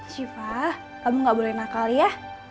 syifa kamu gak boleh nakal ya